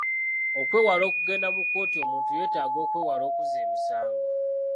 Okwewala okugenda mu kkooti omuntu yeetaaga okwewala okuzza emisango.